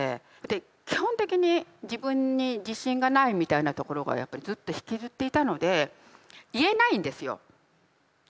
基本的に自分に自信がないみたいなところがやっぱりずっと引きずっていたので言えないんですよ。